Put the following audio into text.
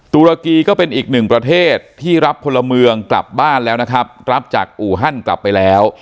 ตุรกีก็เป็นอีกหนึ่งประเทศที่รับพลเมืองกลับบ้านแล้วนะครับรับจากอู่ฮั่นกลับไปแล้ว